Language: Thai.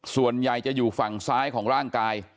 ส่วนใหญ่จะอยู่ฝั่งซ้ายของร่างกาย